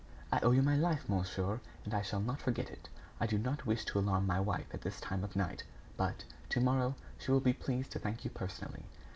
"I owe you my life, monsieur, and I shall not forget it. I do not wish to alarm my wife at this time of night, but, to morrow, she will be pleased to thank you personally.